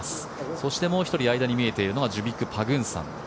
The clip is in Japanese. そしてもう１人間に見えているのがジュビック・パグンサン。